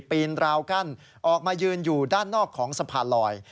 ปีนราวกั้นออกมายืนอยู่ด้านนอกของสะพานลอย